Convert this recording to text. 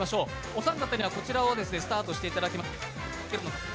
お三方には、こちらからスタートしていただきます。